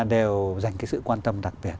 đều dành cái sự quan tâm đặc biệt